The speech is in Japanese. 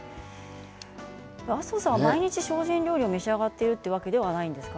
麻生さんは毎日精進料理を召し上がっているというわけではないんですか。